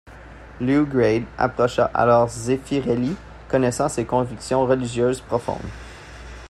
Lew Grade approcha alors Zeffirelli, connaissant ses convictions religieuses profondes.